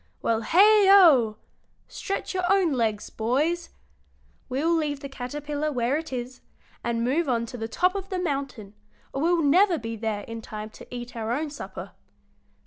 Well, heigho! stretch your own legs, boys! We'll leave the caterpillar where it is, and move on to the top of the mountain, or we'll never be there in time to eat our own supper.